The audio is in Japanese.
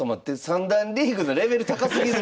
三段リーグのレベル高すぎる！